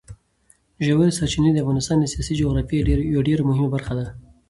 ژورې سرچینې د افغانستان د سیاسي جغرافیې یوه ډېره مهمه برخه ده.